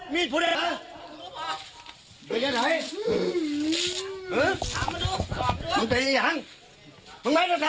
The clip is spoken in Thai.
มึงไม่จะสาน